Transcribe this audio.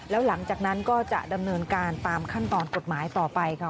แล้วหลังจากนั้นก็จะดำเนินการตามขั้นตอนกฎหมายต่อไปค่ะ